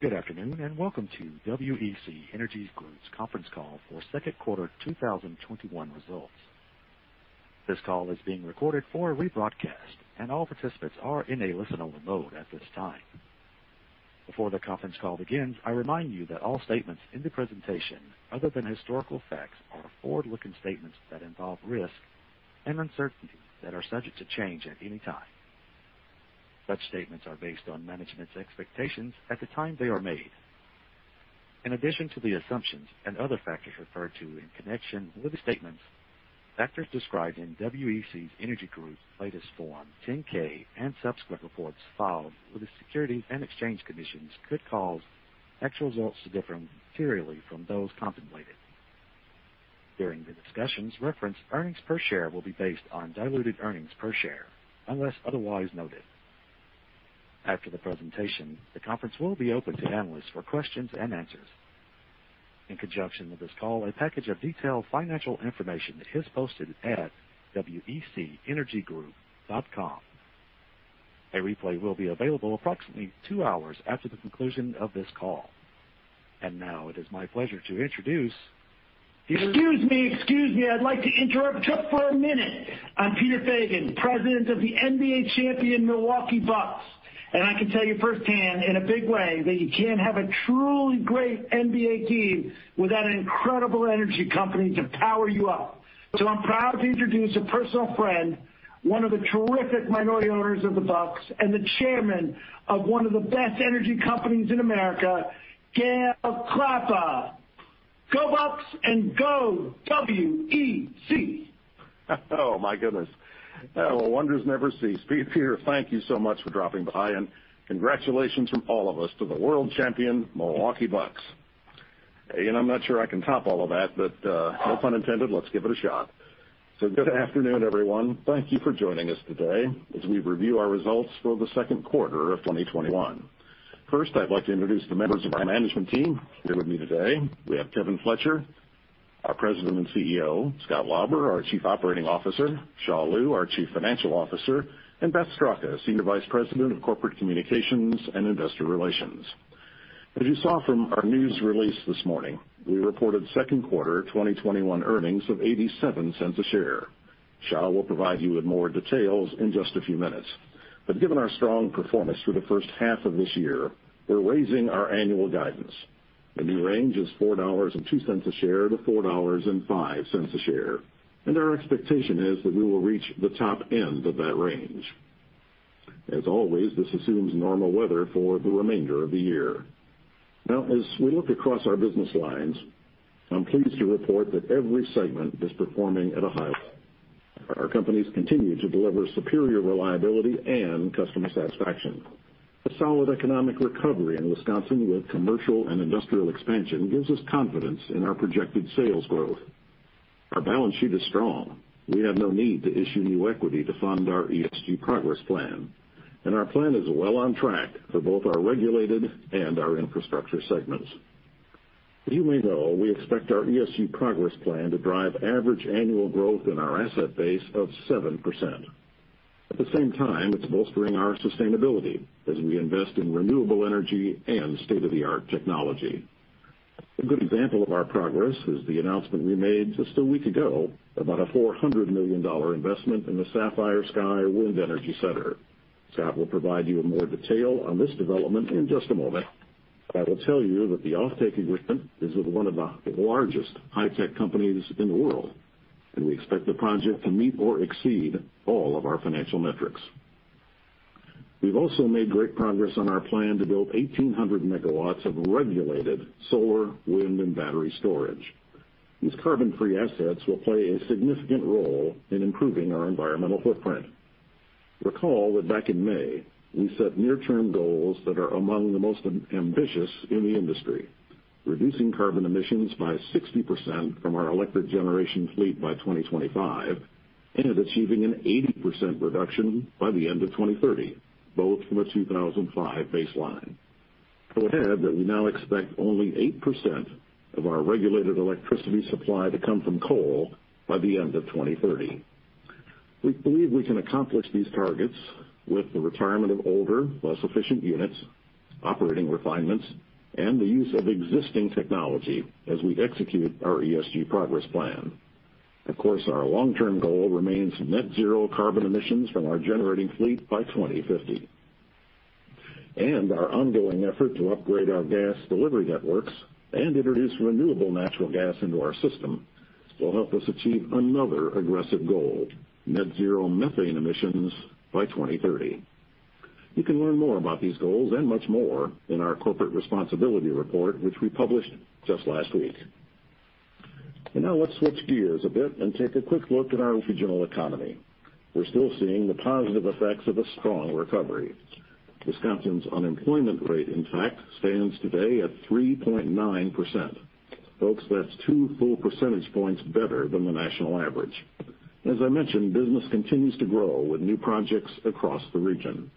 Good afternoon, and Welcome to WEC Energy Group's conference call for second quarter 2021 results. This call is being recorded for rebroadcast, and all participants are in a listen-only mode at this time. Before the conference call begins, I remind you that all statements in the presentation, other than historical facts, are forward-looking statements that involve risk and uncertainty that are subject to change at any time. Such statements are based on management's expectations at the time they are made. In addition to the assumptions and other factors referred to in connection with the statements, factors described in WEC Energy Group's latest Form 10-K and subsequent reports filed with the Securities and Exchange Commission could cause actual results to differ materially from those contemplated. During the discussions, referenced earnings per share will be based on diluted earnings per share, unless otherwise noted. After the presentation, the conference will be open to analysts for questions and answers. In conjunction with this call, a package of detailed financial information is posted at wecenergygroup.com. A replay will be available approximately two hours after the conclusion of this call. Now it is my pleasure to introduce- Excuse me. I'd like to interrupt just for a minute. I'm Peter Feigin, President of the NBA champion Milwaukee Bucks, and I can tell you firsthand, in a big way, that you can't have a truly great NBA team without an incredible energy company to power you up. I'm proud to introduce a personal friend, one of the terrific minority owners of the Bucks, and the Chairman of one of the best energy companies in America, Gale Klappa. Go Bucks, and go WEC. Oh, my goodness. Well, wonders never cease. Peter Feigin, thank you so much for dropping by, and congratulations from all of us to the world champion Milwaukee Bucks. I'm not sure I can top all of that, but, no pun intended, let's give it a shot. Good afternoon, everyone. Thank you for joining us today as we review our results for the second quarter of 2021. First, I'd like to introduce the members of our management team here with me today. We have Kevin Fletcher, our President and CEO, Scott Lauber, our Chief Operating Officer, Xia Liu, our Chief Financial Officer, and Beth Straka, Senior Vice President of Corporate Communications and Investor Relations. As you saw from our news release this morning, we reported second quarter 2021 earnings of $0.87 a share. Xia Liu will provide you with more details in just a few minutes. Given our strong performance for the first half of this year, we're raising our annual guidance. The new range is $4.02 a share to $4.05 a share, and our expectation is that we will reach the top end of that range. As always, this assumes normal weather for the remainder of the year. As we look across our business lines, I'm pleased to report that every segment is performing at a high level. Our companies continue to deliver superior reliability and customer satisfaction. A solid economic recovery in Wisconsin with commercial and industrial expansion gives us confidence in our projected sales growth. Our balance sheet is strong. We have no need to issue new equity to fund our ESG Progress Plan, and our plan is well on track for both our regulated and our infrastructure segments. As you may know, we expect our ESG Progress Plan to drive average annual growth in our asset base of 7%. At the same time, it's bolstering our sustainability as we invest in renewable energy and state-of-the-art technology. A good example of our progress is the announcement we made just a week ago about a $400 million investment in the Sapphire Sky Wind Energy Center. Scott will provide you with more detail on this development in just a moment, but I will tell you that the offtake agreement is with one of the largest high-tech companies in the world, and we expect the project to meet or exceed all of our financial metrics. We've also made great progress on our plan to build 1,800 MW of regulated solar, wind, and battery storage. These carbon-free assets will play a significant role in improving our environmental footprint. Recall that back in May, we set near-term goals that are among the most ambitious in the industry, reducing carbon emissions by 60% from our electric generation fleet by 2025 and achieving an 80% reduction by the end of 2030, both from a 2005 baseline. We now expect only 8% of our regulated electricity supply to come from coal by the end of 2030. We believe we can accomplish these targets with the retirement of older, less efficient units, operating refinements, and the use of existing technology as we execute our ESG Progress Plan. Of course, our long-term goal remains net zero carbon emissions from our generating fleet by 2050. Our ongoing effort to upgrade our gas delivery networks and introduce renewable natural gas into our system will help us achieve another aggressive goal, net zero methane emissions by 2030. You can learn more about these goals and much more in our corporate responsibility report, which we published just last week. Now let's switch gears a bit and take a quick look at our regional economy. We're still seeing the positive effects of a strong recovery. Wisconsin's unemployment rate, in fact, stands today at 3.9%. Folks, that's two full percentage points better than the national average. As I mentioned, business continues to grow with new projects across the region.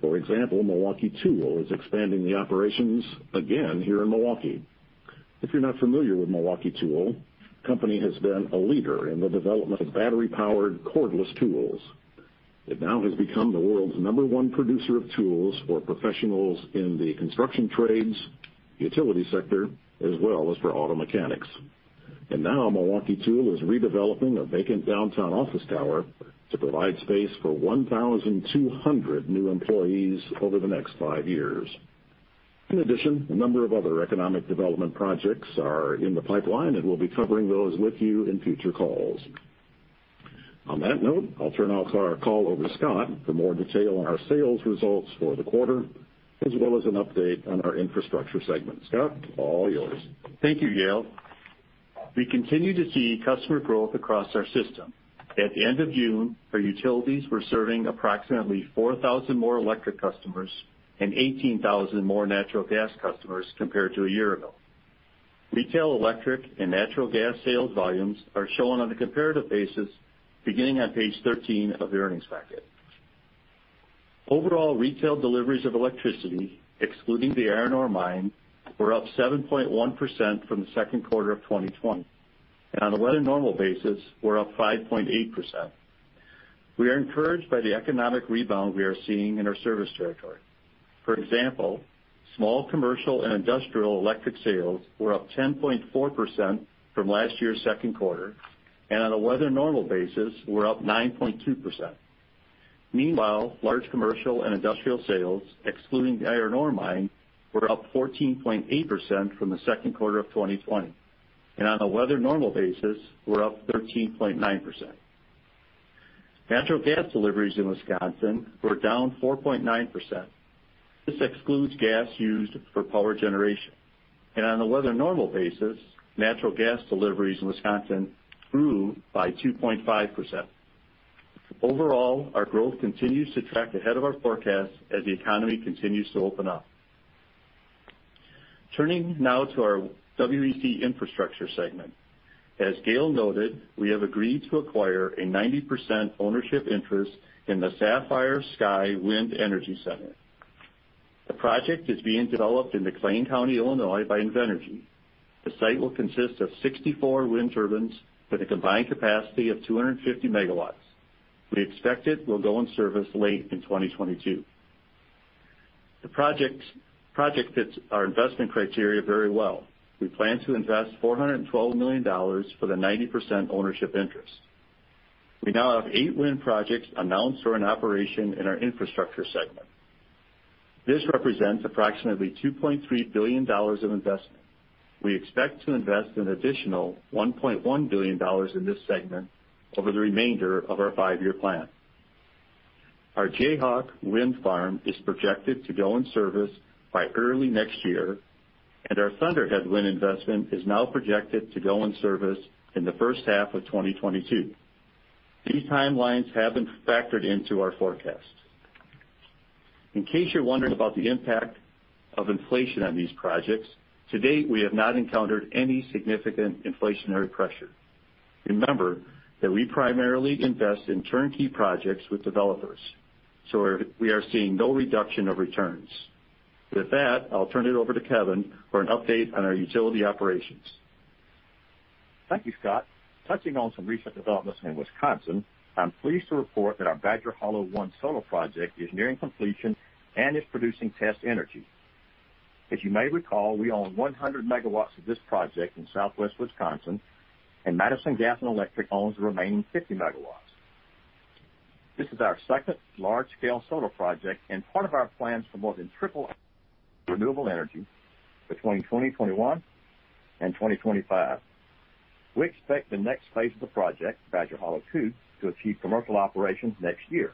For example, Milwaukee Tool is expanding the operations again here in Milwaukee. If you're not familiar with Milwaukee Tool, the company has been a leader in the development of battery-powered cordless tools. It now has become the world's number one producer of tools for professionals in the construction trades, the utility sector, as well as for auto mechanics. Now Milwaukee Tool is redeveloping a vacant downtown office tower to provide space for 1,200 new employees over the next five years. In addition, a number of other economic development projects are in the pipeline, and we'll be covering those with you in future calls. On that note, I'll turn our call over to Scott for more detail on our sales results for the quarter, as well as an update on our infrastructure segment. Scott, all yours. Thank you, Gale. We continue to see customer growth across our system. At the end of June, our utilities were serving approximately 4,000 more electric customers and 18,000 more natural gas customers compared to a year ago. Retail electric and natural gas sales volumes are shown on a comparative basis beginning on page 13 of the earnings packet. Overall, retail deliveries of electricity, excluding the iron ore mine, were up 7.1% from the second quarter of 2020, and on a weather normal basis were up 5.8%. We are encouraged by the economic rebound we are seeing in our service territory. For example, small commercial and industrial electric sales were up 10.4% from last year's second quarter, and on a weather normal basis were up 9.2%. Meanwhile, large commercial and industrial sales, excluding the iron ore mine, were up 14.8% from the second quarter of 2020, and on a weather normal basis were up 13.9%. Natural gas deliveries in Wisconsin were down 4.9%. This excludes gas used for power generation. On a weather normal basis, natural gas deliveries in Wisconsin grew by 2.5%. Overall, our growth continues to track ahead of our forecast as the economy continues to open up. Turning now to our WEC Infrastructure segment. As Gale noted, we have agreed to acquire a 90% ownership interest in the Sapphire Sky Wind Energy Center. The project is being developed in McLean County, Illinois, by Invenergy. The site will consist of 64 wind turbines with a combined capacity of 250 MW. We expect it will go in service late in 2022. The project fits our investment criteria very well. We plan to invest $412 million for the 90% ownership interest. We now have eight wind projects announced or in operation in our infrastructure segment. This represents approximately $2.3 billion of investment. We expect to invest an additional $1.1 billion in this segment over the remainder of our five-year plan. Our Jayhawk Wind Farm is projected to go in service by early next year, and our Thunderhead wind investment is now projected to go in service in the first half of 2022. These timelines have been factored into our forecast. In case you're wondering about the impact of inflation on these projects, to date, we have not encountered any significant inflationary pressure. Remember that we primarily invest in turnkey projects with developers, so we are seeing no reduction of returns. With that, I'll turn it over to Kevin for an update on our utility operations. Thank you, Scott. Touching on some recent developments in Wisconsin, I'm pleased to report that our Badger Hollow 1 solar project is nearing completion and is producing test energy. As you may recall, we own 100 MW of this project in southwest Wisconsin, and Madison Gas and Electric owns the remaining 50 MW. This is our second large-scale solar project and part of our plans to more than triple renewable energy between 2021 and 2025. We expect the next phase of the project, Badger Hollow 2, to achieve commercial operations next year.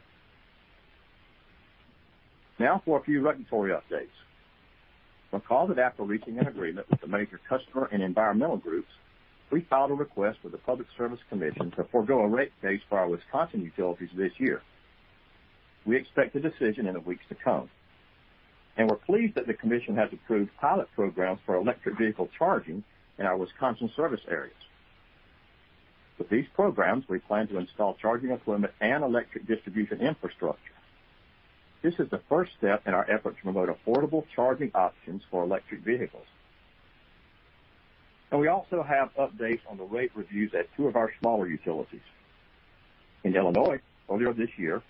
For a few regulatory updates. Recall that after reaching an agreement with a major customer and environmental groups, we filed a request with the Public Service Commission to forego a rate case for our Wisconsin utilities this year. We expect a decision in the weeks to come. We are pleased that the commission has approved pilot programs for electric vehicle charging in our Wisconsin service areas. With these programs, we plan to install charging equipment and electric distribution infrastructure. This is the first step in our effort to promote affordable charging options for electric vehicles. We also have updates on the rate reviews at two of our smaller utilities. In Illinois, earlier this year,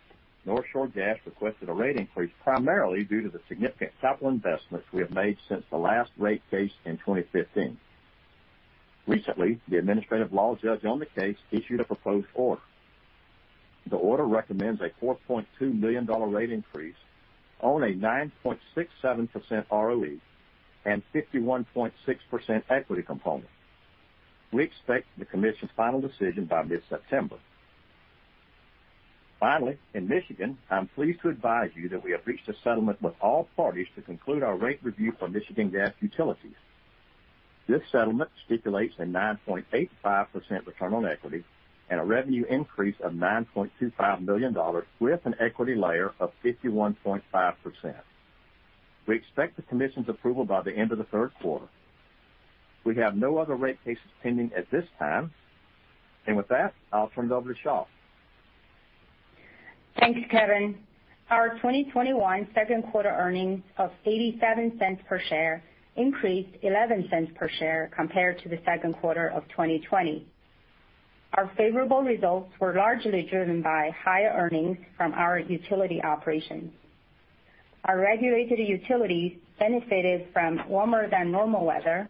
North Shore Gas requested a rate increase primarily due to the significant capital investments we have made since the last rate case in 2015. Recently, the administrative law judge on the case issued a proposed order. The order recommends a $4.2 million rate increase on a 9.67% ROE and 51.6% equity component. We expect the commission's final decision by mid-September. Finally, in Michigan, I'm pleased to advise you that we have reached a settlement with all parties to conclude our rate review for Michigan Gas Utilities. This settlement stipulates a 9.85% return on equity and a revenue increase of $9.25 million with an equity layer of 51.5%. We expect the commission's approval by the end of the third quarter. We have no other rate cases pending at this time. With that, I'll turn it over to Xia. Thank you, Kevin. Our 2021 second quarter earnings of $0.87 per share increased $0.11 per share compared to the second quarter of 2020. Our favorable results were largely driven by higher earnings from our utility operations. Our regulated utilities benefited from warmer than normal weather,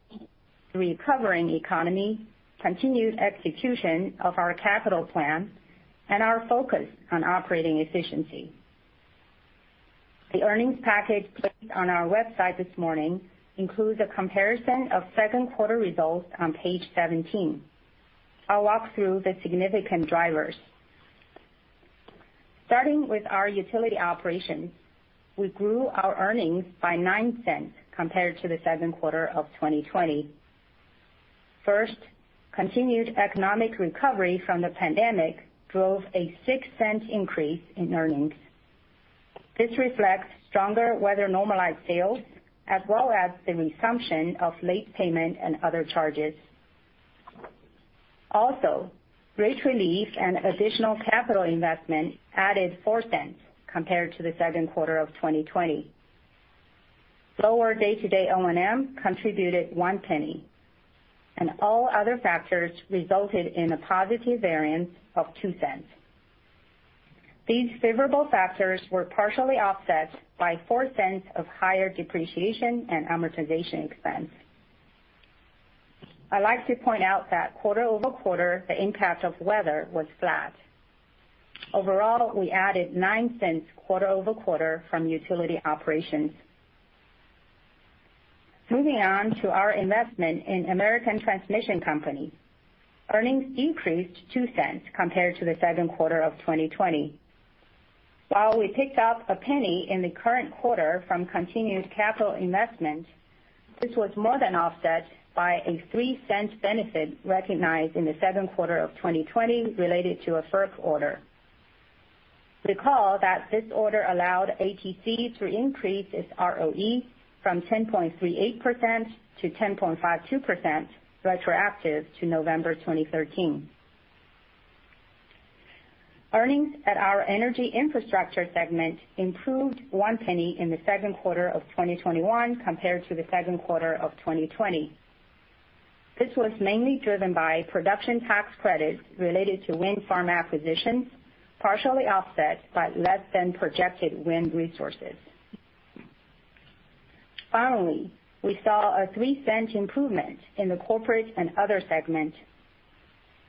the recovering economy, continued execution of our capital plan, and our focus on operating efficiency. The earnings package placed on our website this morning includes a comparison of second quarter results on page 17. I will walk through the significant drivers. Starting with our utility operations, we grew our earnings by $0.09 compared to the second quarter of 2020. First, continued economic recovery from the pandemic drove a $0.06 increase in earnings. This reflects stronger weather normalized sales, as well as the resumption of late payment and other charges. Rate relief and additional capital investment added $0.04 compared to the second quarter of 2020. Lower day-to-day O&M contributed $0.01, and all other factors resulted in a positive variance of $0.02. These favorable factors were partially offset by $0.04 of higher depreciation and amortization expense. I'd like to point out that quarter-over-quarter, the impact of weather was flat. Overall, we added $0.09 quarter-over-quarter from utility operations. Moving on to our investment in American Transmission Company. Earnings increased $0.02 compared to the second quarter of 2020. While we picked up $0.01 in the current quarter from continued capital investment, this was more than offset by a $0.03 benefit recognized in the second quarter of 2020 related to a FERC order. Recall that this order allowed ATC to increase its ROE from 10.38%-10.52%, retroactive to November 2013. Earnings at our energy infrastructure segment improved $0.01 in the second quarter of 2021 compared to the second quarter of 2020. This was mainly driven by production tax credits related to wind farm acquisitions, partially offset by less than projected wind resources. Finally, we saw a $0.03 improvement in the corporate and other segment.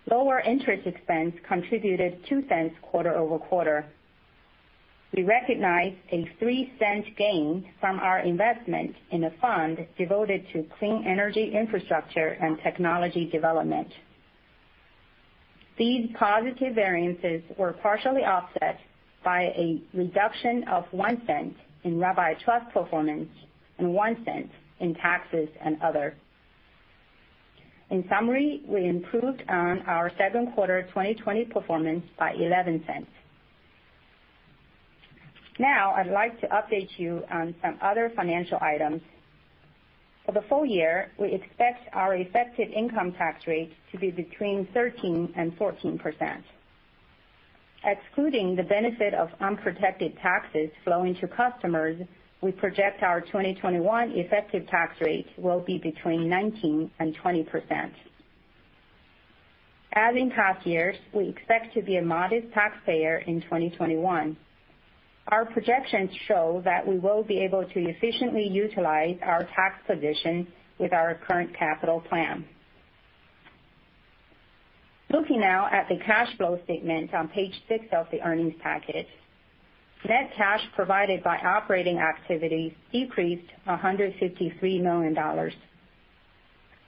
Lower interest expense contributed $0.02 quarter-over-quarter. We recognized a $0.03 gain from our investment in a fund devoted to clean energy infrastructure and technology development. These positive variances were partially offset by a reduction of $0.01 in rabbi trust performance and $0.01 in taxes and other. In summary, we improved on our second quarter 2020 performance by $0.11. Now, I'd like to update you on some other financial items. For the full year, we expect our effective income tax rate to be between 13%-14%. Excluding the benefit of unprotected taxes flowing to customers, we project our 2021 effective tax rate will be between 19% and 20%. As in past years, we expect to be a modest taxpayer in 2021. Our projections show that we will be able to efficiently utilize our tax position with our current capital plan. Looking now at the cash flow statement on page six of the earnings packet. Net cash provided by operating activities decreased $153 million.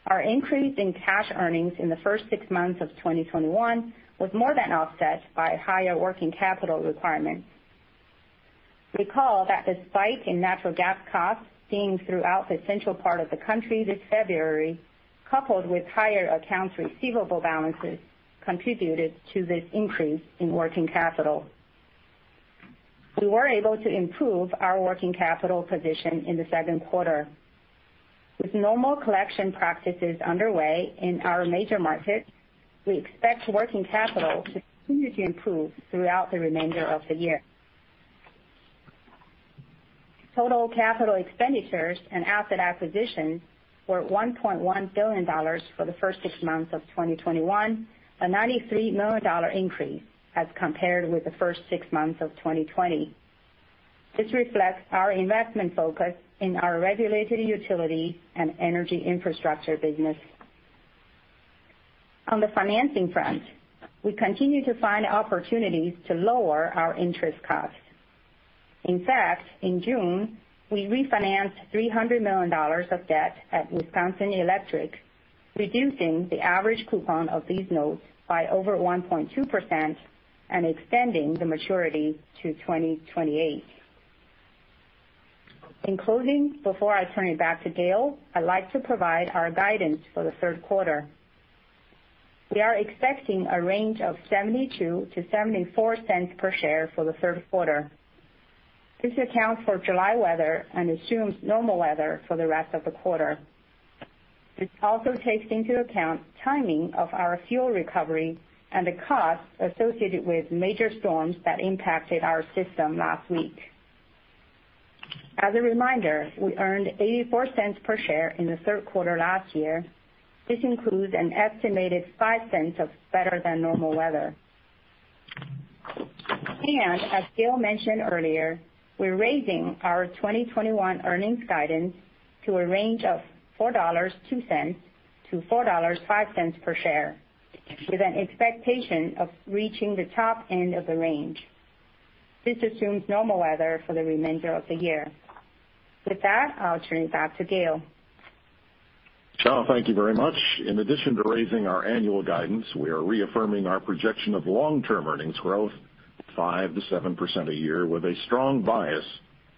Our increase in cash earnings in the first six months of 2021 was more than offset by higher working capital requirements. Recall that the spike in natural gas costs seen throughout the central part of the country this February, coupled with higher accounts receivable balances, contributed to this increase in working capital. We were able to improve our working capital position in the second quarter. With normal collection practices underway in our major markets, we expect working capital to continue to improve throughout the remainder of the year. Total capital expenditures and asset acquisitions were $1.1 billion for the first six months of 2021, a $93 million increase as compared with the first six months of 2020. This reflects our investment focus in our regulated utility and energy infrastructure business. On the financing front, we continue to find opportunities to lower our interest costs. In fact, in June, we refinanced $300 million of debt at Wisconsin Electric, reducing the average coupon of these notes by over 1.2% and extending the maturity to 2028. In closing, before I turn it back to Gale, I'd like to provide our guidance for the third quarter. We are expecting a range of $0.72-$0.74 per share for the third quarter. This accounts for July weather and assumes normal weather for the rest of the quarter. This also takes into account timing of our fuel recovery and the cost associated with major storms that impacted our system last week. As a reminder, we earned $0.84 per share in the third quarter last year. This includes an estimated $0.05 of better-than-normal weather. As Gale mentioned earlier, we're raising our 2021 earnings guidance to a range of $4.02-$4.05 per share, with an expectation of reaching the top end of the range. This assumes normal weather for the remainder of the year. With that, I'll turn it back to Gale. Xia, thank you very much. In addition to raising our annual guidance, we are reaffirming our projection of long-term earnings growth 5%-7% a year, with a strong bias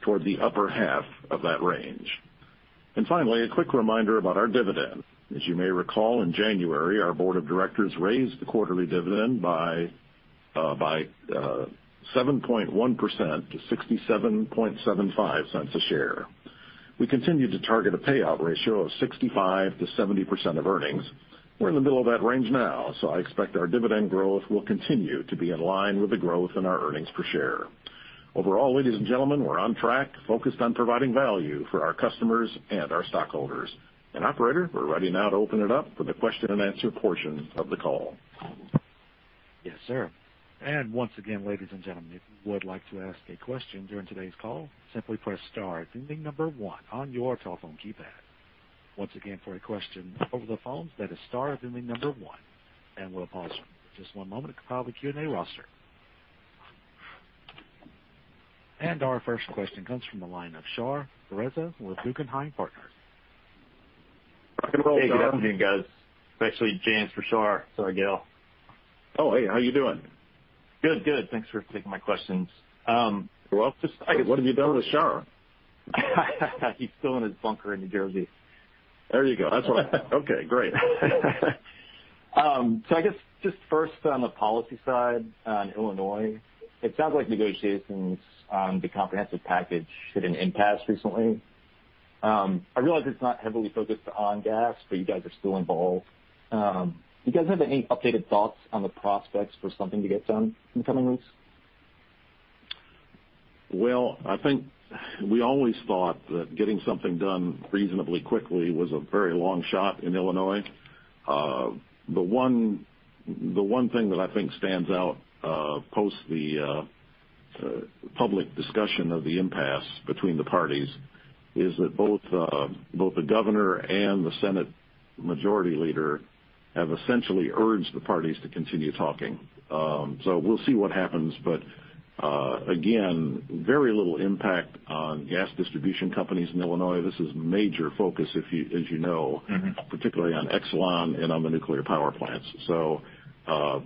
toward the upper half of that range. Finally, a quick reminder about our dividend. As you may recall, in January, our board of directors raised the quarterly dividend by 7.1% to $0.6775 a share. We continue to target a payout ratio of 65%-70% of earnings. We're in the middle of that range now. I expect our dividend growth will continue to be in line with the growth in our earnings per share. Overall, ladies and gentlemen, we're on track, focused on providing value for our customers and our stockholders. Operator, we're ready now to open it up for the question and answer portion of the call. Yes, sir. Once again, ladies and gentlemen, if you would like to ask a question during today's call, simply press star, then the number one on your telephone keypad. Once again, for a question over the phones, that is star, then the number one. We'll pause for just one moment to compile the Q&A roster. Our first question comes from the line of Shar Pourreza with Guggenheim Partners. Rock and roll, Shar. Hey, good afternoon, guys. It's actually James for Shar. Sorry, Gale. Oh, hey. How you doing? Good. Thanks for taking my questions. You're welcome. What have you done with Shar? He's still in his bunker in New Jersey. There you go. That's what I thought. Okay, great. I guess just first on the policy side on Illinois, it sounds like negotiations on the comprehensive package hit an impasse recently. I realize it's not heavily focused on gas, but you guys are still involved. Do you guys have any updated thoughts on the prospects for something to get done in the coming weeks? Well, I think we always thought that getting something done reasonably quickly was a very long shot in Illinois. The one thing that I think stands out post the public discussion of the impasse between the parties is that both the governor and the Senate majority leader have essentially urged the parties to continue talking. We'll see what happens, but again, very little impact on gas distribution companies in Illinois. This is major focus, as you know. Particularly on Exelon and on the nuclear power plants.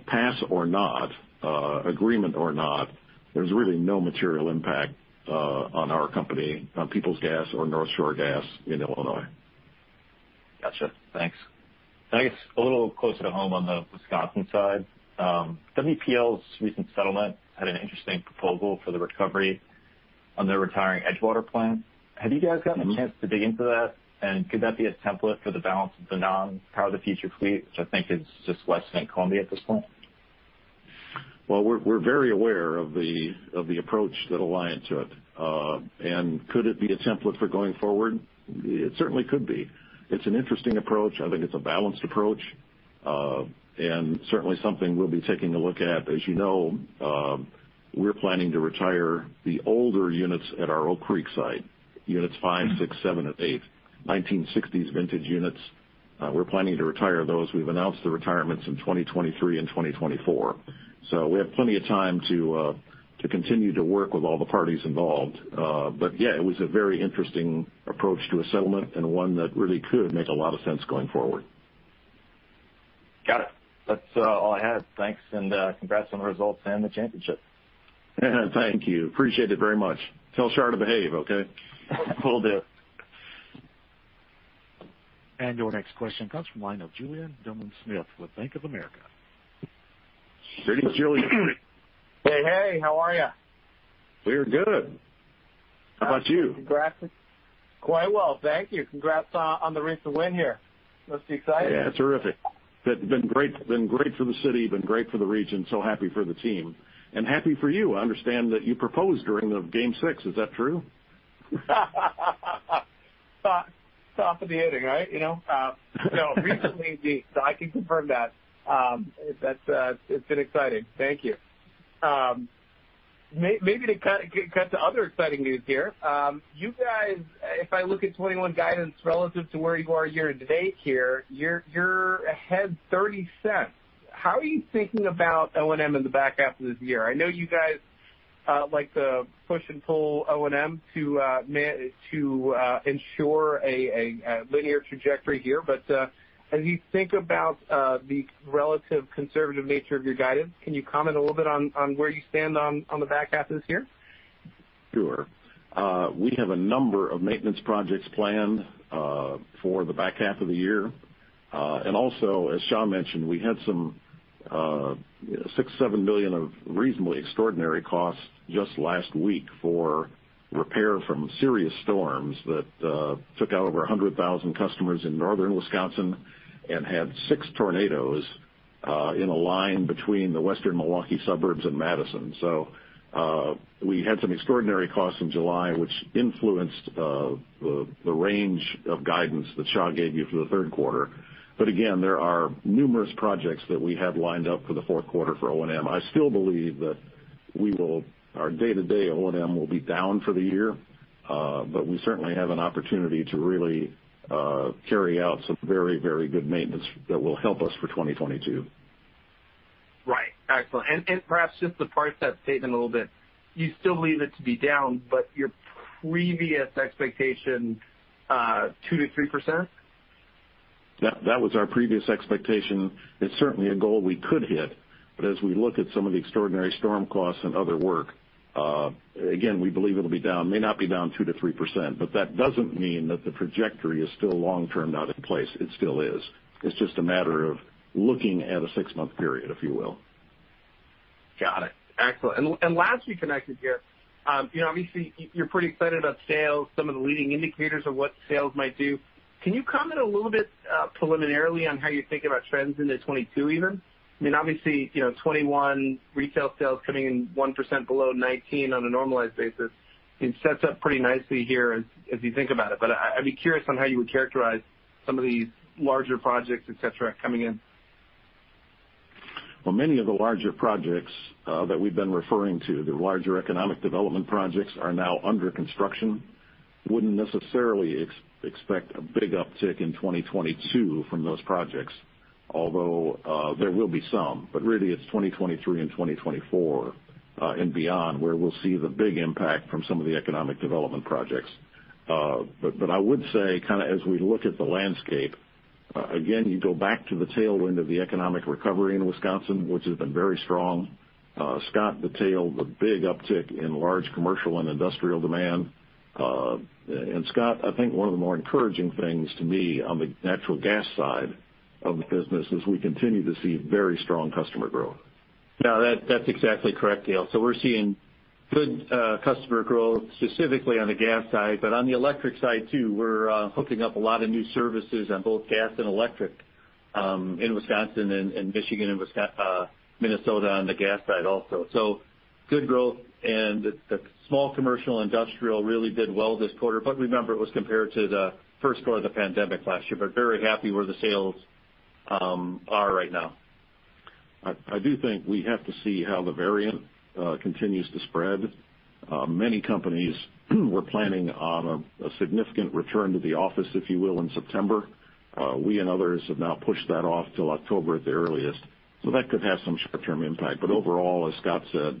Pass or not, agreement or not, there's really no material impact on our company, on Peoples Gas or North Shore Gas in Illinois. Gotcha. Thanks. I guess a little closer to home on the Wisconsin side, WPL's recent settlement had an interesting proposal for the recovery on their retiring Edgewater plant. Have you guys gotten a chance to dig into that? Could that be a template for the balance of the non-Power the Future fleet, which I think is just Weston and Columbia at this point? Well, we're very aware of the approach that Alliant took. Could it be a template for going forward? It certainly could be. It's an interesting approach. I think it's a balanced approach, and certainly something we'll be taking a look at. As you know, we're planning to retire the older units at our Oak Creek site, units five, six, seven, and eight, 1960s vintage units. We're planning to retire those. We've announced the retirements in 2023 and 2024. We have plenty of time to continue to work with all the parties involved. Yeah, it was a very interesting approach to a settlement and one that really could make a lot of sense going forward. Got it. That's all I had. Thanks, and congrats on the results and the championship. Thank you. Appreciate it very much. Tell Shar to behave, okay? Will do. Your next question comes from the line of Julien Dumoulin-Smith with Bank of America. Greetings, Julien. Hey. Hey, how are you? We're good. How about you? Congrats. Quite well. Thank you. Congrats on the recent win here. Must be exciting. Yeah, terrific. It's been great for the city, been great for the region. Happy for the team and happy for you. I understand that you proposed during the game six. Is that true? Top of the inning, right? Recently, I can confirm that. It's been exciting. Thank you. Maybe to cut to other exciting news here. You guys, if I look at 2021 guidance relative to where you are year-to-date here, you're ahead $0.30. How are you thinking about O&M in the back half of this year? I know you guys like to push and pull O&M to ensure a linear trajectory here. As you think about the relative conservative nature of your guidance, can you comment a little bit on where you stand on the back half of this year? Sure. We have a number of maintenance projects planned for the back half of the year. As Xia mentioned, we had some $6 million, $7 million of reasonably extraordinary costs just last week for repair from serious storms that took out over 100,000 customers in northern Wisconsin and had six tornadoes in a line between the western Milwaukee suburbs and Madison. We had some extraordinary costs in July, which influenced the range of guidance that Xia gave you for the third quarter. There are numerous projects that we have lined up for the fourth quarter for O&M. I still believe that our day-to-day O&M will be down for the year, but we certainly have an opportunity to really carry out some very good maintenance that will help us for 2022. Right. Excellent. Perhaps just to parse that statement a little bit, you still believe it to be down, your previous expectation, 2%-3%? That was our previous expectation. It's certainly a goal we could hit. As we look at some of the extraordinary storm costs and other work, again, we believe it'll be down. It may not be down 2%-3%, but that doesn't mean that the trajectory is still long-term not in place. It still is. It's just a matter of looking at a six-month period, if you will. Got it. Excellent. Last we connected here, obviously, you're pretty excited about sales, some of the leading indicators of what sales might do. Can you comment a little bit preliminarily on how you think about trends into 2022, even? Obviously, 2021 retail sales coming in 1% below 2019 on a normalized basis, it sets up pretty nicely here as you think about it. I'd be curious on how you would characterize some of these larger projects, et cetera, coming in? Well, many of the larger projects that we've been referring to, the larger economic development projects, are now under construction. Wouldn't necessarily expect a big uptick in 2022 from those projects, although there will be some. Really, it's 2023 and 2024, and beyond, where we'll see the big impact from some of the economic development projects. I would say, as we look at the landscape, again, you go back to the tail end of the economic recovery in Wisconsin, which has been very strong. Scott detailed the big uptick in large commercial and industrial demand. Scott, I think one of the more encouraging things to me on the natural gas side of the business is we continue to see very strong customer growth. Yeah, that's exactly correct, Gale. We're seeing good customer growth, specifically on the gas side, but on the electric side, too. We're hooking up a lot of new services on both gas and electric, in Wisconsin and Michigan, and Minnesota on the gas side also. Good growth, and the small commercial industrial really did well this quarter. Remember, it was compared to the first quarter of the pandemic last year, but very happy where the sales are right now. I do think we have to see how the variant continues to spread. Many companies were planning on a significant return to the office, if you will, in September. We and others have now pushed that off till October at the earliest. That could have some short-term impact. Overall, as Scott said,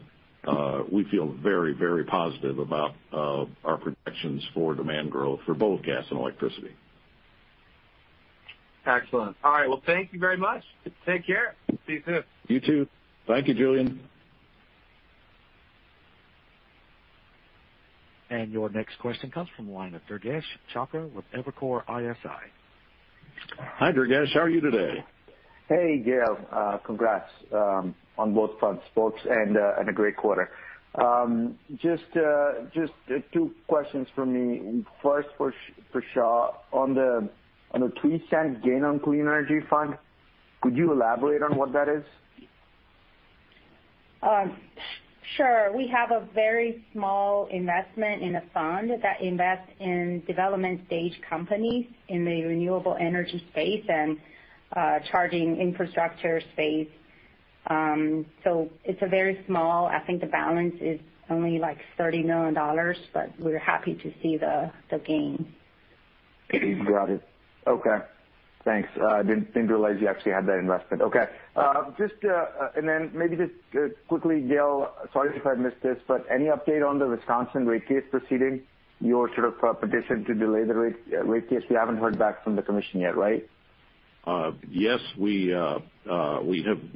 we feel very positive about our projections for demand growth for both gas and electricity. Excellent. All right. Well, thank you very much. Take care. See you soon. You too. Thank you, Julien. Your next question comes from the line of Durgesh Chopra with Evercore ISI. Hi, Durgesh, how are you today? Hey, Gale. Congrats on both fronts, and a great quarter. Just two questions from me. First for Xia. On the $0.03 gain on clean energy fund, could you elaborate on what that is? Sure. We have a very small investment in a fund that invests in development-stage companies in the renewable energy space and charging infrastructure space. It's very small. I think the balance is only like $30 million, but we're happy to see the gain. Got it. Okay. Thanks. Didn't realize you actually had that investment. Okay. Maybe just quickly, Gale, sorry if I missed this, but any update on the Wisconsin rate case proceeding? Your petition to delay the rate case, you haven't heard back from the commission yet, right? Yes, we have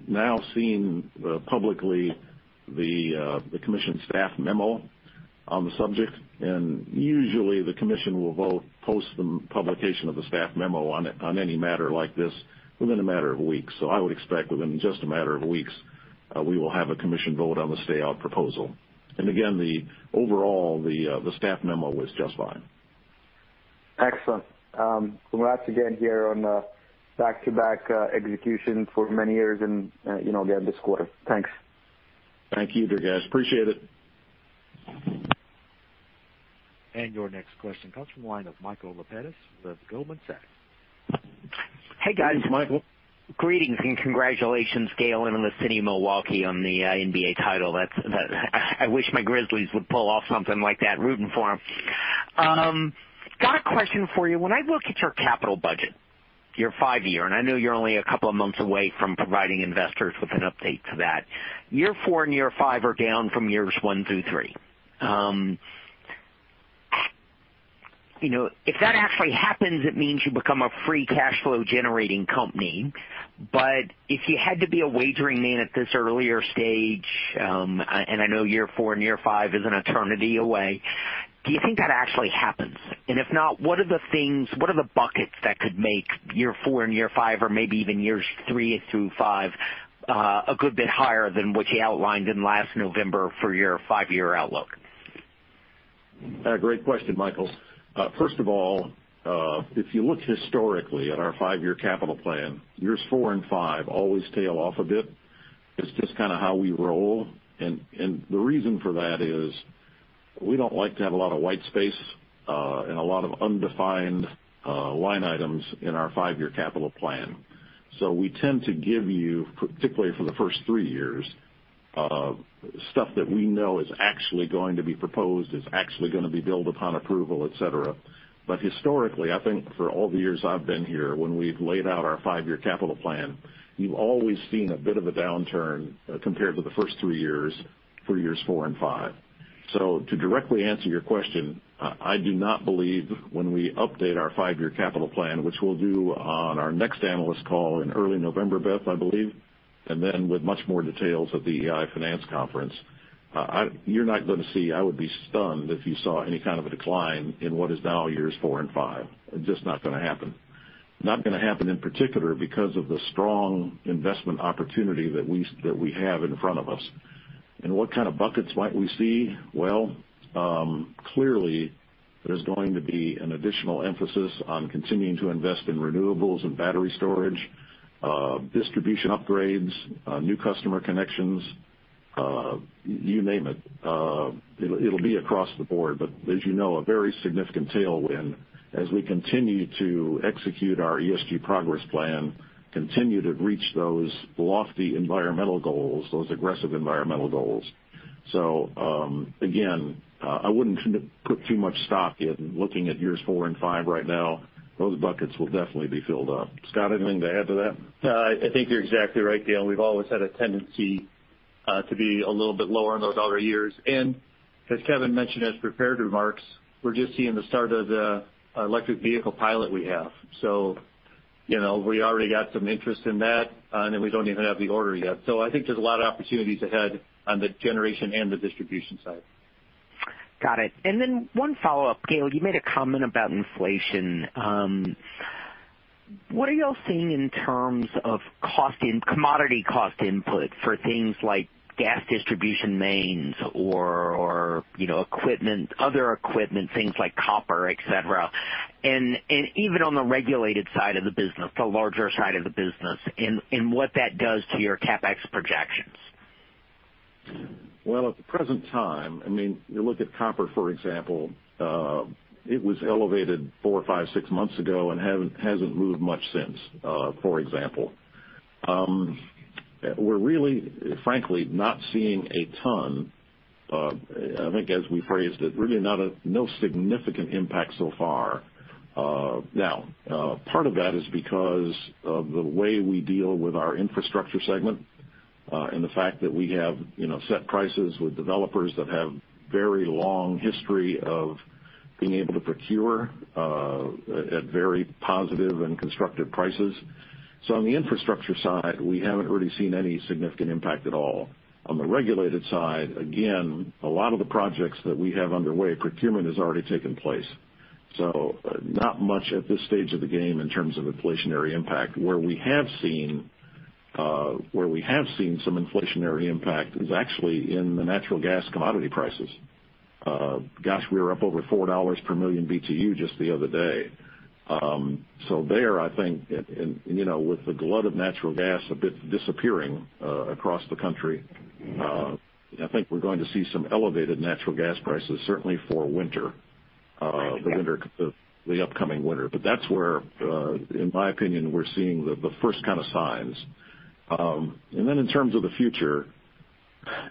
now seen publicly the commission staff memo on the subject, and usually the commission will vote post the publication of the staff memo on any matter like this within a matter of weeks. I would expect within just a matter of weeks, we will have a commission vote on the stay-out proposal. Again, overall, the staff memo was just fine. Excellent. Congrats again here on back-to-back execution for many years, and again this quarter. Thanks. Thank you, Durgesh. Appreciate it. Your next question comes from the line of Michael Lapides with Goldman Sachs. Hey, guys. Michael. Greetings and congratulations, Gale, and the City of Milwaukee on the NBA title. I wish my Grizzlies would pull off something like that. Rooting for them. Scott, question for you. When I look at your capital budget, your five-year, and I know you're only a couple of months away from providing investors with an update to that. year four and year five are down from years one through three. If that actually happens, it means you become a free cash flow-generating company. If you had to be a wagering man at this earlier stage, and I know year four and year five is an eternity away, do you think that actually happens? If not, what are the things, what are the buckets that could year five, or maybe even years three through five, a good bit higher than what you outlined in last November for your five-year outlook? Great question, Michael. First of all, if you look historically at our five-year capital plan, years four and five always tail off a bit. It's just kind of how we roll, and the reason for that is we don't like to have a lot of white space, and a lot of undefined line items in our five-year capital plan. We tend to give you, particularly for the first three years, stuff that we know is actually going to be proposed, is actually going to be billed upon approval, et cetera. Historically, I think for all the years I've been here, when we've laid out our five-year capital plan, you've always seen a bit of a downturn compared to the first three years for years four and five. To directly answer your question, I do not believe when we update our five-year capital plan, which we'll do on our next analyst call in early November, Beth, I believe, and then with much more details at the EEI Financial Conference, you're not going to see, I would be stunned if you saw any kind of a decline in what is now years four and five. Just not going to happen. Not going to happen in particular because of the strong investment opportunity that we have in front of us. What kind of buckets might we see? Well, clearly, there's going to be an additional emphasis on continuing to invest in renewables and battery storage, distribution upgrades, new customer connections, you name it. It'll be across the board, but as you know, a very significant tailwind as we continue to execute our ESG Progress Plan, continue to reach those lofty environmental goals, those aggressive environmental goals. Again, I wouldn't put too much stock in looking at years four and five right now. Those buckets will definitely be filled up. Scott, anything to add to that? I think you're exactly right, Gale. We've always had a tendency to be a little bit lower on those outer years. As Kevin mentioned as prepared remarks, we're just seeing the start of the electric vehicle pilot we have. We already got some interest in that, and then we don't even have the order yet. I think there's a lot of opportunities ahead on the generation and the distribution side. Got it. One follow-up, Gale, you made a comment about inflation. What are y'all seeing in terms of commodity cost input for things like gas distribution mains or other equipment, things like copper, et cetera, and even on the regulated side of the business, the larger side of the business, and what that does to your CapEx projections? Well, at the present time, you look at copper, for example, it was elevated four, five, six months ago and hasn't moved much since, for example. We're really, frankly, not seeing a ton. I think as we phrased it, really no significant impact so far. Part of that is because of the way we deal with our infrastructure segment, and the fact that we have set prices with developers that have very long history of being able to procure at very positive and constructive prices. On the infrastructure side, we haven't really seen any significant impact at all. On the regulated side, again, a lot of the projects that we have underway, procurement has already taken place. Not much at this stage of the game in terms of inflationary impact. Where we have seen some inflationary impact is actually in the natural gas commodity prices. Gosh, we were up over $4 per million BTU just the other day. There, I think, with the glut of natural gas a bit disappearing across the country, I think we're going to see some elevated natural gas prices, certainly for winter. Right. The upcoming winter. That's where, in my opinion, we're seeing the first kind of signs. In terms of the future,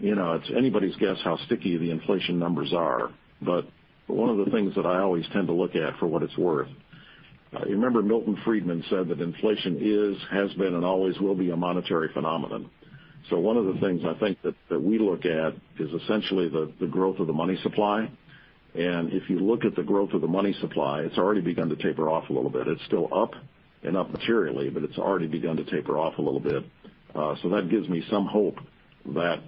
it's anybody's guess how sticky the inflation numbers are. One of the things that I always tend to look at, for what it's worth, you remember Milton Friedman said that inflation is, has been, and always will be a monetary phenomenon. One of the things I think that we look at is essentially the growth of the money supply, and if you look at the growth of the money supply, it's already begun to taper off a little bit. It's still up, and up materially, but it's already begun to taper off a little bit. That gives me some hope that,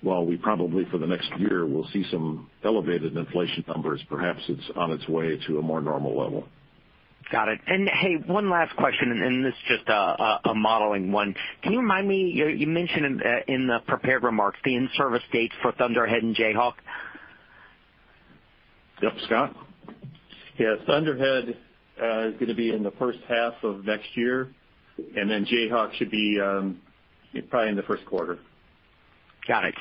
while we probably for the next year will see some elevated inflation numbers, perhaps it's on its way to a more normal level. Got it. Hey, one last question, and this is just a modeling one. Can you remind me, you mentioned in the prepared remarks, the in-service dates for Thunderhead and Jayhawk? Yep. Scott? Thunderhead is going to be in the first half of next year, and then Jayhawk should be probably in the first quarter. Got it.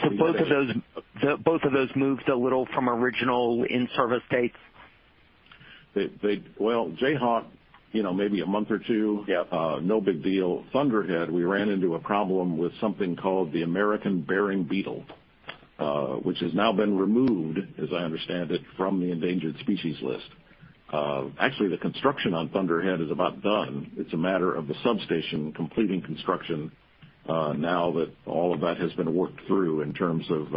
Both of those moved a little from original in-service dates? Well, Jayhawk, maybe a month or two. Yep. No big deal. Thunderhead, we ran into a problem with something called the American burying beetle, which has now been removed, as I understand it, from the endangered species list. Actually, the construction on Thunderhead is about done. It's a matter of the substation completing construction, now that all of that has been worked through in terms of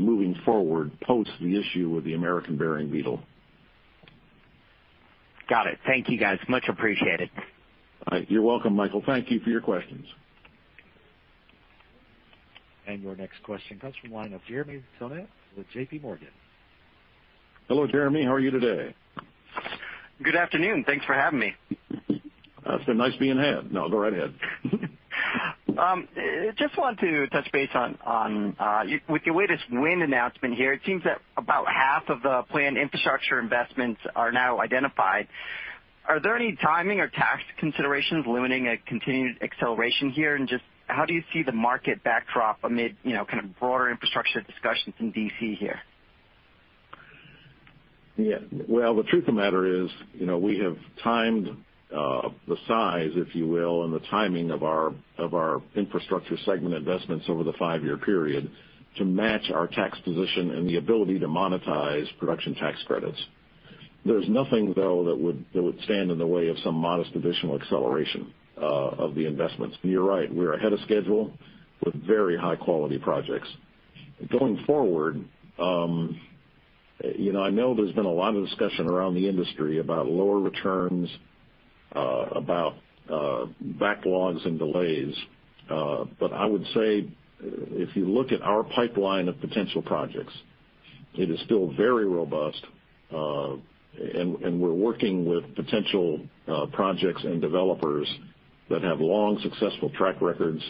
moving forward post the issue with the American burying beetle. Got it. Thank you, guys. Much appreciated. You're welcome, Michael. Thank you for your questions. Your next question comes from the line of Jeremy Tonet with JPMorgan. Hello, Jeremy. How are you today? Good afternoon. Thanks for having me. It's been nice being had. No, go right ahead. Just wanted to touch base on, with your latest wind announcement here, it seems that about half of the planned infrastructure investments are now identified. Are there any timing or tax considerations limiting a continued acceleration here? Just how do you see the market backdrop amid kind of broader infrastructure discussions in D.C. here? Yeah. Well, the truth of the matter is, we have timed, the size, if you will, and the timing of our infrastructure segment investments over the five-year period to match our tax position and the ability to monetize production tax credits. There's nothing, though, that would stand in the way of some modest additional acceleration of the investments. You're right. We're ahead of schedule with very high-quality projects. Going forward, I know there's been a lot of discussion around the industry about lower returns, about backlogs and delays. I would say if you look at our pipeline of potential projects, it is still very robust. We're working with potential projects and developers that have long, successful track records.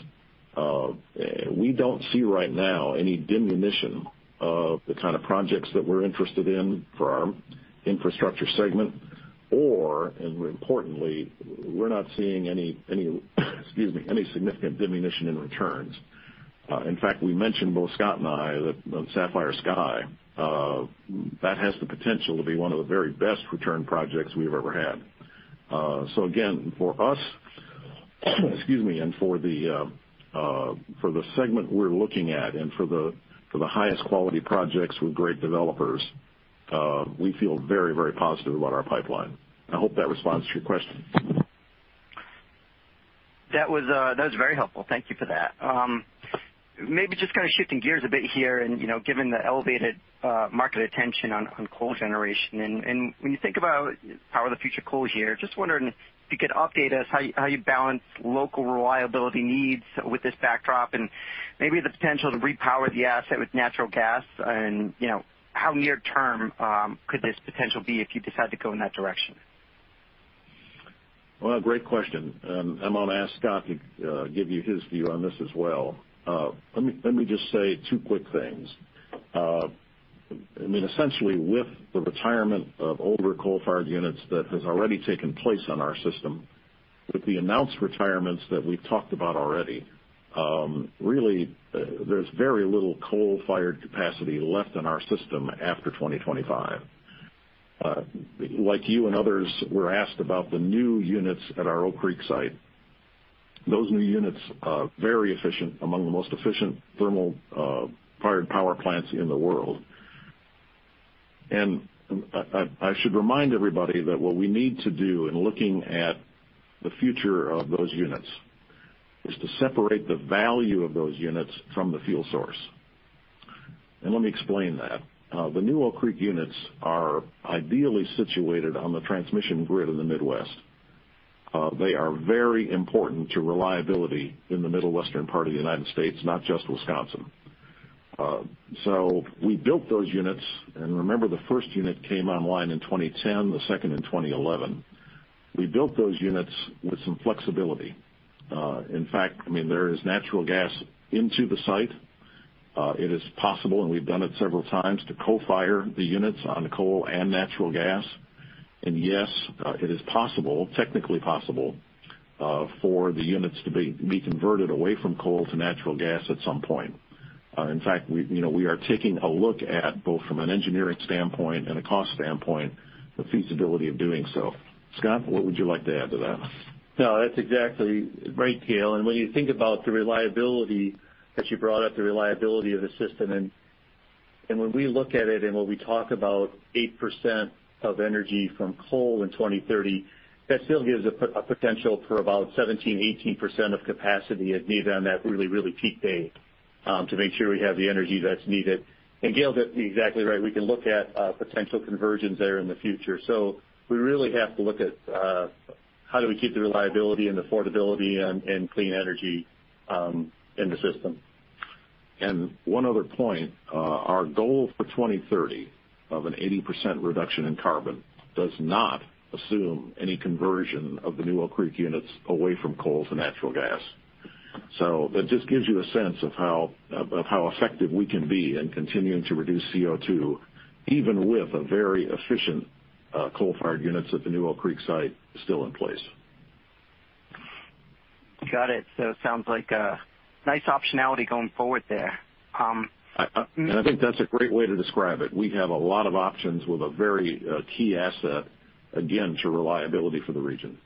We don't see right now any diminution of the kind of projects that we're interested in for our infrastructure segment, or, and importantly, we're not seeing any significant diminution in returns. In fact, we mentioned, both Scott and I, that Sapphire Sky, that has the potential to be one of the very best return projects we've ever had. Again, for us, and for the segment we're looking at, and for the highest quality projects with great developers, we feel very positive about our pipeline. I hope that responds to your question. That was very helpful. Thank you for that. Maybe just kind of shifting gears a bit here, given the elevated market attention on coal generation. When you think about Power the Future coal here, just wondering if you could update us how you balance local reliability needs with this backdrop and maybe the potential to repower the asset with natural gas? How near-term could this potential be if you decide to go in that direction? Well, great question. I'm going to ask Scott to give you his view on this as well. Let me just say two quick things. Essentially with the retirement of older coal-fired units that has already taken place on our system, with the announced retirements that we've talked about already, really, there's very little coal-fired capacity left in our system after 2025. Like you and others, we're asked about the new units at our Oak Creek site. Those new units are very efficient, among the most efficient thermal-fired power plants in the world. I should remind everybody that what we need to do in looking at the future of those units is to separate the value of those units from the fuel source. Let me explain that. The new Oak Creek units are ideally situated on the transmission grid in the Midwest. They are very important to reliability in the middle western part of the U.S., not just Wisconsin. We built those units, and remember, the first unit came online in 2010, the second in 2011. We built those units with some flexibility. In fact, there is natural gas into the site. It is possible, and we've done it several times, to co-fire the units on coal and natural gas. Yes, it is possible, technically possible, for the units to be converted away from coal to natural gas at some point. In fact, we are taking a look at, both from an engineering standpoint and a cost standpoint, the feasibility of doing so. Scott, what would you like to add to that? No, that's exactly right, Gale. When you think about the reliability, as you brought up, of the system, and when we look at it and when we talk about 8% of energy from coal in 2030, that still gives a potential for about 17%-18% of capacity if needed on that really peak day, to make sure we have the energy that's needed. Gale, that'd be exactly right. We can look at potential conversions there in the future. We really have to look at how do we keep the reliability and affordability and clean energy in the system. One other point, our goal for 2030 of an 80% reduction in carbon does not assume any conversion of the new Oak Creek units away from coal to natural gas. That just gives you a sense of how effective we can be in continuing to reduce CO2, even with very efficient coal-fired units at the new Oak Creek site still in place. Got it. It sounds like a nice optionality going forward there. I think that's a great way to describe it. We have a lot of options with a very key asset, again, to reliability for the region.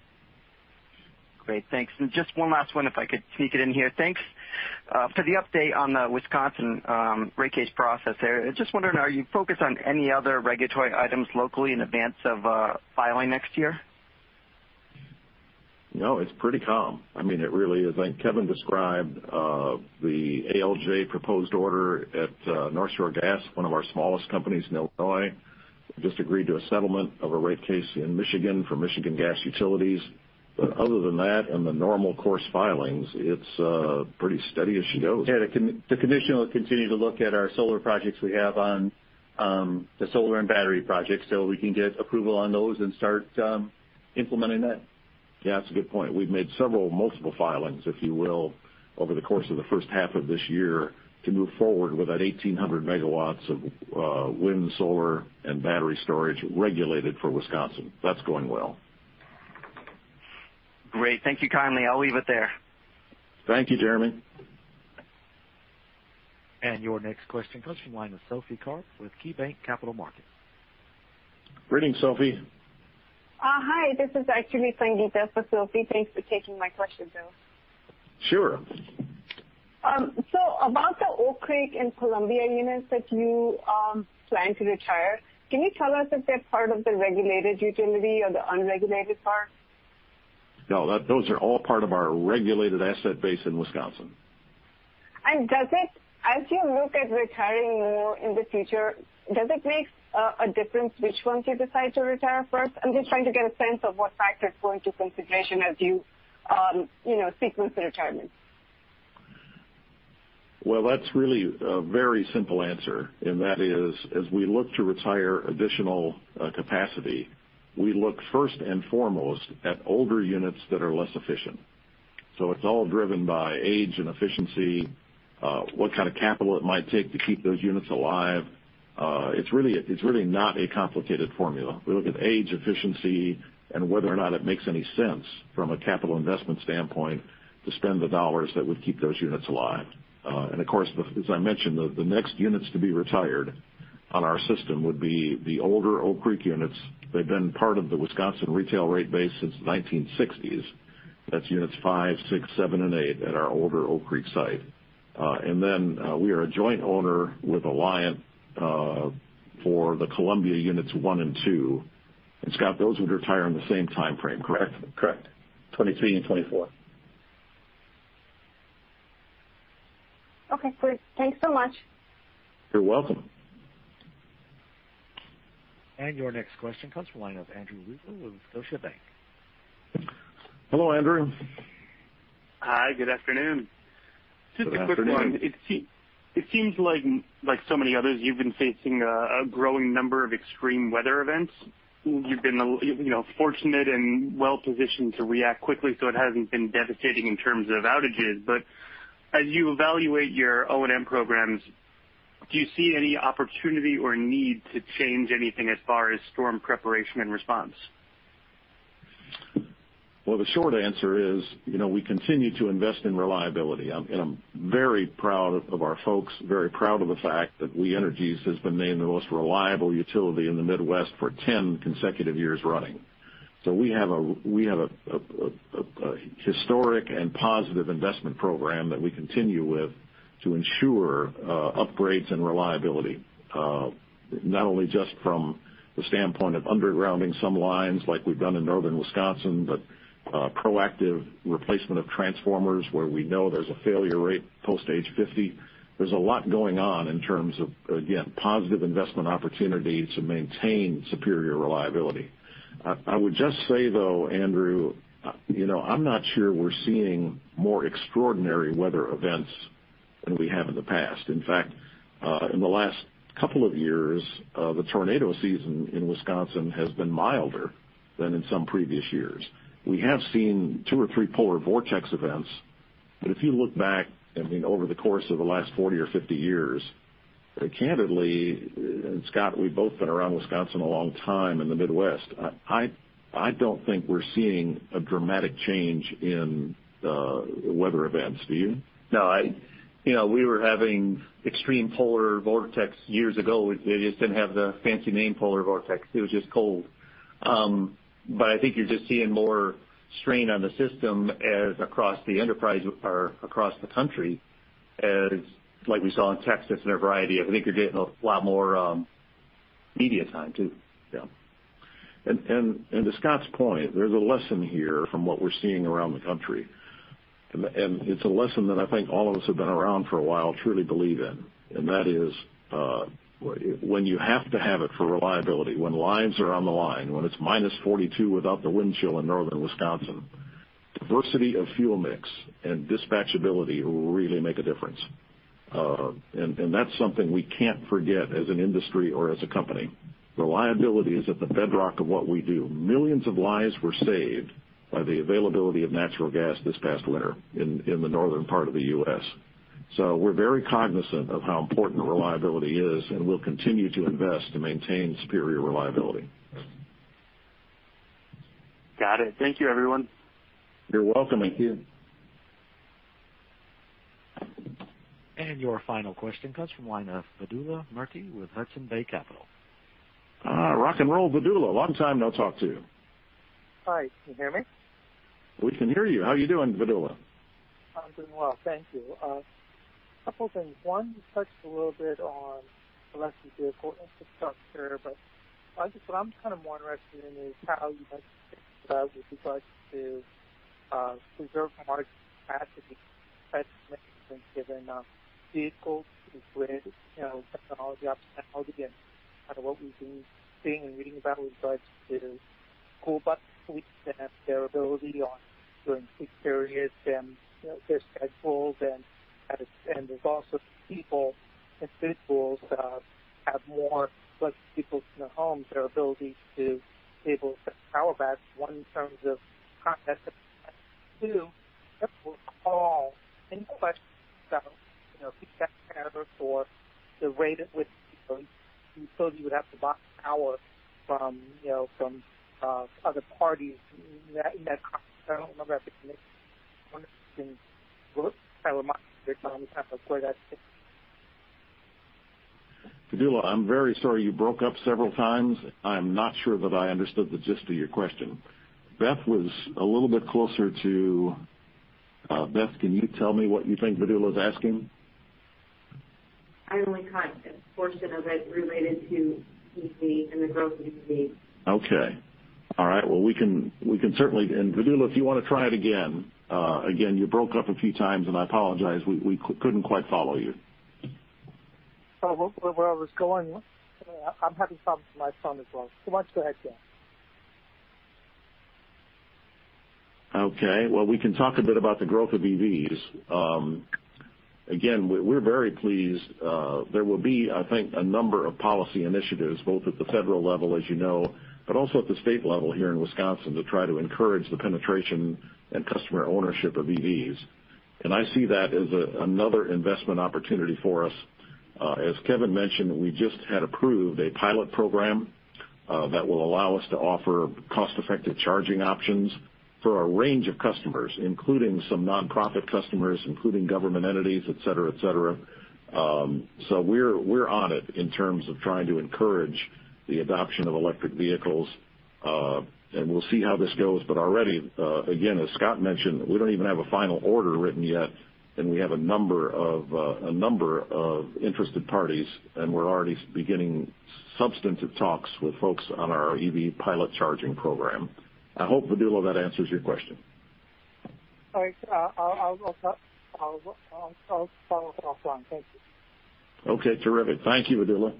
Great. Thanks. Just one last one if I could sneak it in here. Thanks for the update on the Wisconsin rate case process there. I was just wondering, are you focused on any other regulatory items locally in advance of filing next year? No, it's pretty calm. I mean, it really is. I think Kevin described the ALJ proposed order at North Shore Gas, one of our smallest companies in Illinois. Just agreed to a settlement of a rate case in Michigan for Michigan Gas Utilities. Other than that, on the normal course filings, it's pretty steady as she goes. Yeah. The commission will continue to look at our solar projects we have on the solar and battery projects, so we can get approval on those and start implementing that. Yeah, that's a good point. We've made several multiple filings, if you will, over the course of the first half of this year to move forward with that 1,800 MW of wind, solar, and battery storage regulated for Wisconsin. That's going well. Great. Thank you kindly. I'll leave it there. Thank you, Jeremy. Your next question comes from the line of Sophie Karp with KeyBanc Capital Markets. Good evening, Sophie. Hi. This is actually Sangita for Sophie. Thanks for taking my question, Bill. Sure. About the Oak Creek and Columbia units that you plan to retire, can you tell us if they're part of the regulated utility or the unregulated part? No, those are all part of our regulated asset base in Wisconsin. As you look at retiring more in the future, does it make a difference which ones you decide to retire first? I'm just trying to get a sense of what factors go into consideration as you sequence the retirement. Well, that's really a very simple answer, and that is, as we look to retire additional capacity, we look first and foremost at older units that are less efficient. It's all driven by age and efficiency, what kind of capital it might take to keep those units alive. It's really not a complicated formula. We look at age, efficiency, and whether or not it makes any sense from a capital investment standpoint to spend the dollars that would keep those units alive. Of course, as I mentioned, the next units to be retired on our system would be the older Oak Creek units. They've been part of the Wisconsin retail rate base since the 1960s. That's units five, six, seven, and eight at our older Oak Creek site. We are a joint owner with Alliant, for the Columbia units one and two. Scott, those would retire in the same timeframe, correct? Correct. 2023 and 2024. Okay, great. Thanks so much. You're welcome. Your next question comes from the line of Andrew Weisel with Scotiabank. Hello, Andrew. Hi. Good afternoon. Good afternoon. Just a quick one. It seems like so many others, you've been facing a growing number of extreme weather events. You've been fortunate and well-positioned to react quickly, so it hasn't been devastating in terms of outages. As you evaluate your O&M programs, do you see any opportunity or need to change anything as far as storm preparation and response? Well, the short answer is, we continue to invest in reliability. I'm very proud of our folks, very proud of the fact that We Energies has been named the most reliable utility in the Midwest for 10 consecutive years running. We have a historic and positive investment program that we continue with to ensure upgrades and reliability, not only just from the standpoint of undergrounding some lines like we've done in Northern Wisconsin, but proactive replacement of transformers where we know there's a failure rate post age 50. There's a lot going on in terms of, again, positive investment opportunities to maintain superior reliability. I would just say, though, Andrew, I'm not sure we're seeing more extraordinary weather events than we have in the past. In fact, in the last couple of years, the tornado season in Wisconsin has been milder than in some previous years. We have seen two or three polar vortex events. If you look back, I mean, over the course of the last 40 or 50 years, candidly, and Scott, we've both been around Wisconsin a long time, and the Midwest, I don't think we're seeing a dramatic change in weather events. Do you? No. We were having extreme polar vortex years ago. It just didn't have the fancy name polar vortex. It was just cold. I think you're just seeing more strain on the system as across the enterprise or across the country, like we saw in Texas. I think you're getting a lot more media time, too. To Scott's point, there's a lesson here from what we're seeing around the country. It's a lesson that I think all of us who have been around for a while truly believe in. That is, when you have to have it for reliability, when lives are on the line, when it's -42 without the wind chill in Northern Wisconsin, diversity of fuel mix and dispatchability really make a difference. And that something we can't forget as an industry or as a company. Reliability is a bedrock of what we do. Millions of lives were saved by the availability of natural gas this past later in the northern part of the U.S. We're very kindest how important reliability is. Will continue to invest. Got it. Thank you, everyone. You're welcome. Thank you. Your final question comes from the line of Vidula Murkey with Hudson Bay Capital. Rock and roll, Vidula. Long time no talk to you. Hi. Can you hear me? We can hear you. How are you doing, Vidula? I'm doing well, thank you. A couple things. One, you touched a little bit on electric vehicle infrastructure. What I'm more interested in is how you guys would you like to preserve margin capacity, especially given vehicles with technology options. Again, what we've been seeing and reading about with regards to cool bus fleets and their ability during peak periods, their schedules, there's also people, individuals that have more electric vehicles in their homes, their ability to be able to power back, one, in terms of cost, and two, if at all, any questions about peak time or the rate at which people you said you would have to buy power from other parties. I wonder if you can elaborate on that. Vidula, I'm very sorry. You broke up several times. I'm not sure that I understood the gist of your question. Beth, can you tell me what you think Vidula is asking? I only caught a portion of it related to EV and the growth of EVs. Okay. All right. We can certainly, and Vidula, if you want to try it again. Again, you broke up a few times, and I apologize. We couldn't quite follow you. Where I was going, I'm having problems with my phone as well. Why don't you go ahead, John? Okay. Well, we can talk a bit about the growth of EVs. Again, we're very pleased. There will be, I think, a number of policy initiatives, both at the federal level, as you know, but also at the state level here in Wisconsin to try to encourage the penetration and customer ownership of EVs. I see that as another investment opportunity for us. As Kevin mentioned, we just had approved a pilot program that will allow us to offer cost-effective charging options for a range of customers, including some nonprofit customers, including government entities, et cetera. We're on it in terms of trying to encourage the adoption of electric vehicles. We'll see how this goes, but already, again, as Scott mentioned, we don't even have a final order written yet, and we have a number of interested parties, and we're already beginning substantive talks with folks on our EV Pilot Charging Program. I hope, Vidula, that answers your question. All right. I'll follow up on. Thank you. Okay, terrific. Thank you, Vidula.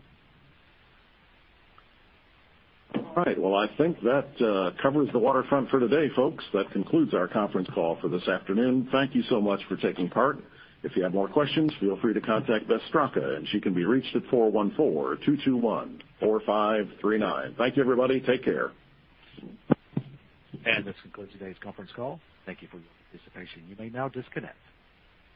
All right. Well, I think that covers the waterfront for today, folks. That concludes our conference call for this afternoon. Thank you so much for taking part. If you have more questions, feel free to contact Beth Straka, and she can be reached at 414-221-4539. Thank you, everybody. Take care. This concludes today's conference call. Thank you for your participation. You may now disconnect.